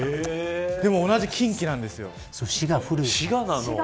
でも、同じ近畿なんですよ。